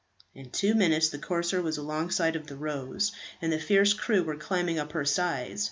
In two minutes the corsair was alongside of the "Rose," and the fierce crew were climbing up her sides.